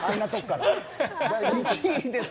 １位です！